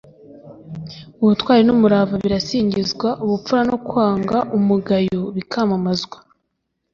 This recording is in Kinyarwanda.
ubutwari n’umurava birasingizwa, ubupfura no kwanga umugayo bikamamazwa